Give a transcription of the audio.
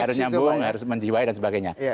harus nyambung harus menjiwai dan sebagainya